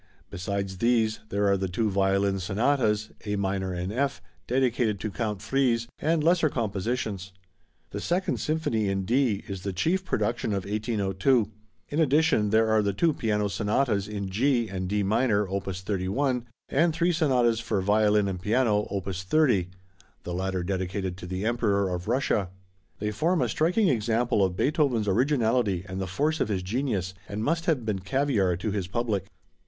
Besides these, there are the two violin sonatas, A minor, and F, dedicated to Count Fries, and lesser compositions. The Second Symphony (in D) is the chief production of 1802. In addition there are the two piano sonatas in G, and D minor, opus 31, and three sonatas for violin and piano, opus 30, the latter dedicated to the Emperor of Russia. They form a striking example of Beethoven's originality and the force of his genius, and must have been caviar to his public.